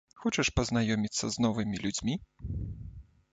Хочаш пазнаёміцца з новымі людзьмі?